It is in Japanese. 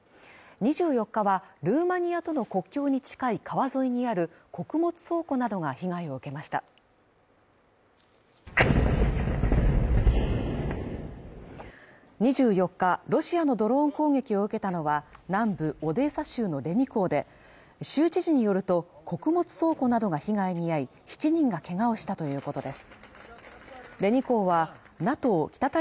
２４日はルーマニアとの国境に近い川沿いにある穀物倉庫などが被害を受けました２４日ロシアのドローン攻撃を受けたのは南部オデーサ州のレニ港で州知事によると穀物倉庫などが被害に遭い７人がけがをしたということです